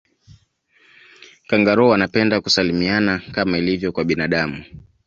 kangaroo wanapenda kusalimiana kama ilivyo kwa binadamu